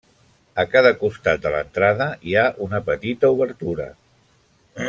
A cada costat de l'entrada, hi ha una petita obertura.